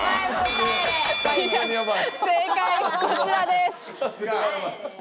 正解はこちらです。